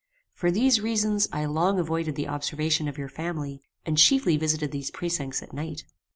For these reasons I long avoided the observation of your family, and chiefly visited these precincts at night.